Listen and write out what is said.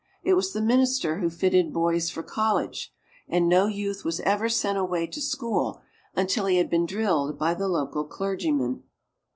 It was the minister who fitted boys for college, and no youth was ever sent away to school until he had been drilled by the local clergyman."